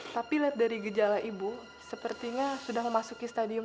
tapi lihat dari gejala ibu sepertinya sudah memasuki stadium